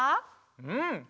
うん。